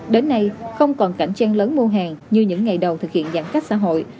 đến nay không còn cảnh trang lớn mua hàng như những ngày đầu thực hiện giãn cách xã hội